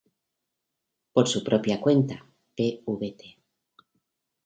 Por su propia cuenta, Pvt.